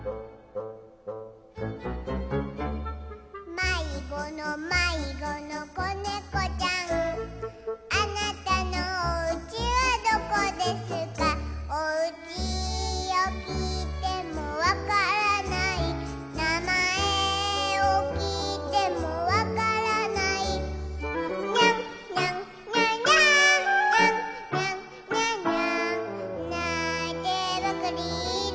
まいごのまいごのこねこちゃんあなたのおうちはどこですかおうちをきいてもわからないなまえをきいてもわからないにゃんにゃんにゃにゃんにゃんにゃんにゃにゃんないてばかりいる